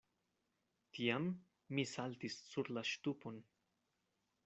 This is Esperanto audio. Tiam mi saltis sur la ŝtupon.